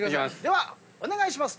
ではお願いします。